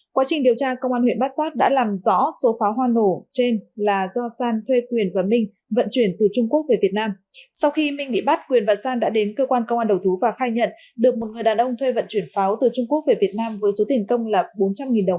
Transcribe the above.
quá trình điều tra công an huyện bát sát đã làm rõ số pháo hoa nổ trên là do san thuê quyền và minh vận chuyển từ trung quốc về việt nam sau khi minh bị bắt quyền và san đã đến cơ quan công an đầu thú và khai nhận được một người đàn ông thuê vận chuyển pháo từ trung quốc về việt nam với số tiền công là bốn trăm linh đồng